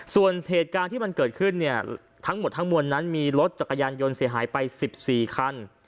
ส่วนเหตุการณ์ที่มันเกิดขึ้นเนี่ยทั้งหมดทั้งมวลนั้นมีรถจักรยานยนต์เสียหายไป๑๔คัน